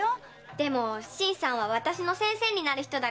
でも新さんは私の先生になる人だから。